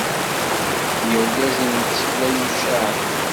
N yirgazen n tsekla yucaɛen.